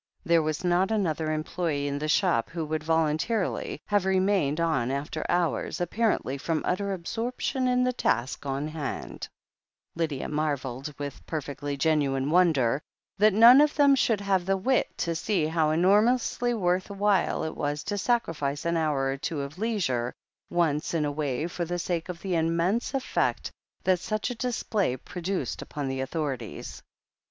There was not another employee in the shop who would voltm tarily have remained on after hours, apparently from utter absorption in the task on hand. 138 THE HEEL OF ACHILLES Lydia marvelled, with perfectly genuine wonder, that none of them should have the wit to see how enor mously worth while it was to sacrifice an hour or two of leisure once in a way for the sake of the immense effect that such a display produced upon the authorities.